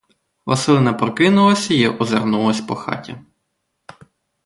Василина прокинулась й озирнулась по хаті.